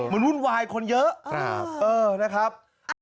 มันวุ่นวายคนเยอะครับเออนะครับ